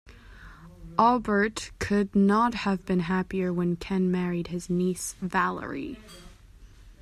Albert could not have been happier when Ken married his niece Valerie.